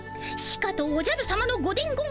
しかとおじゃるさまのご伝言